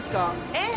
ええ。